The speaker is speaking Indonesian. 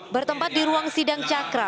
bertempat di ruang sidang cakra